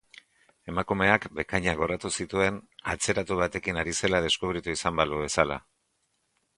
Emakumeak bekainak goratu zituen atzeratu batekin ari zela deskubritu izan balu bezala.